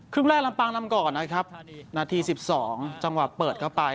แรกลำปางนำก่อนนะครับนาที๑๒จังหวะเปิดเข้าไป